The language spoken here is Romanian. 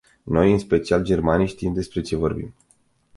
Noi, în special, germanii, știm despre ce vorbim.